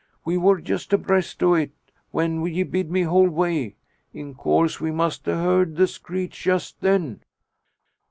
"We wor just abreast o' it when ye bid me hold way. In course we must a heard the screech just then."